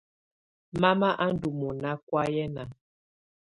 Mama á ndɔ́ mɔna kɔ̀áyɛna.